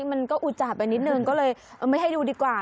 มันก็อุจจาดไปนิดนึงก็เลยไม่ให้ดูดีกว่า